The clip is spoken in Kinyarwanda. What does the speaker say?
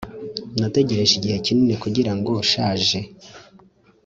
nategereje igihe kinini kugirango nshaje